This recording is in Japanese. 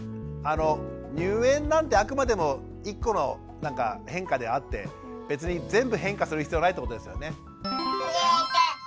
入園なんてあくまでも１個の変化であって別に全部変化する必要ないってことですよね。